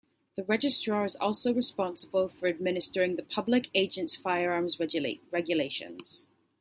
The Registrar is also responsible for administering the "Public Agents Firearms Regulations".